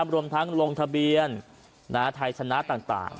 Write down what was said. รวมทั้งลงทะเบียนไทยชนะต่าง